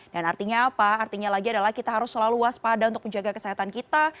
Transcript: dan artinya apa artinya lagi adalah kita harus selalu waspada untuk menjaga kesehatan kita